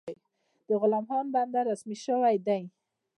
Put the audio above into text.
د غلام خان بندر رسمي شوی دی؟